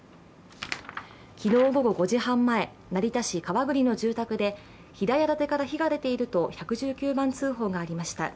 昨日午後５時半前、成田市川栗の住宅で平屋建てから火が出ていると１１９番通報がありました。